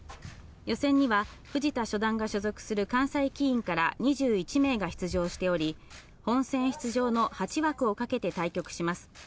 予選には藤田怜央初段が所属する関西棋院から２１名が出場しており、本選出場の８枠をかけて対局します。